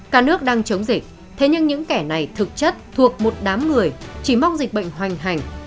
cả nước đang chống dịch thế nhưng những kẻ này thực chất thuộc một đám người chỉ mong dịch bệnh hoành hành